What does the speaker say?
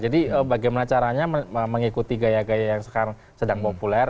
jadi bagaimana caranya mengikuti gaya gaya yang sekarang sedang populer